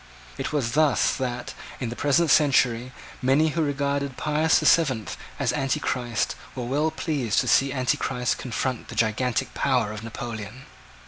It was thus that, in the present century, many who regarded Pius the Seventh as Antichrist were well pleased to see Antichrist confront the gigantic power of Napoleon.